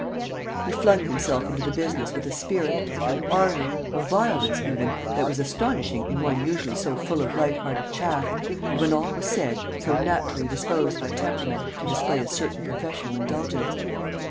He flung himself into the business with a spirit, an ardor, a violence, even, that was astonishing in one usually so full of light hearted chaff and, when all was said, so naturally disposed by temperament to display a certain professional indulgence.